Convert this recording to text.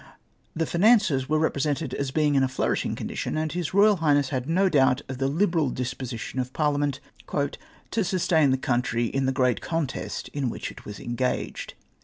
The finances were represented as being in a flourishing condition, and His Eoyal Highness had no doubt of the liberal disposition of Parliament " to sustain the country in the great contest in whicli it was engaged."